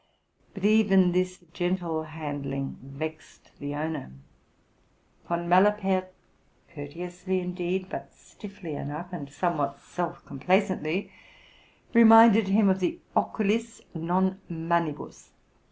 ~But even this gentle handling vexed the owner. Von Malapert courteously, indeed, but stiffly enough, and somewhat self complacently, reminded him of the Oculis, non manibus.!.